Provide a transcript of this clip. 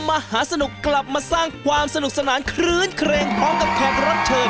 อบเตอร์มหาสนุกกลับมาสร้างความสนานครื้นเครงพร้อมกับแขกรับเชิง